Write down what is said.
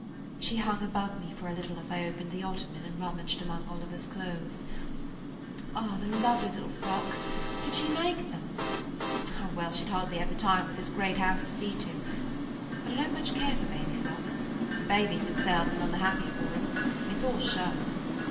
She hung above me for a little as I opened the ottoman and rummaged among Oliver's clothes. "Ah, the lovely little frocks! Did she make them? Ah, [Page 170] well, she 'd hardly have the time, with this great house to see to. But I don't care much for baby frocks. The babies themselves are none the happier for them. It 's all show."